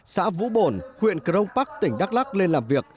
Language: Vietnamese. xã vũ bồn huyện crong park tỉnh đắk lắc lên làm việc